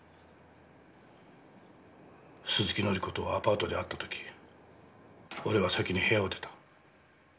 鈴木紀子とアパートで会った時俺は先に部屋を出た。